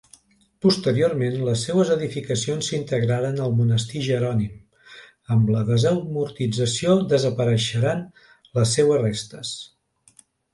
Posteriorment les seues edificacions s'integraren al monestir jerònim, amb la desamortització desapareixeran les seues restes.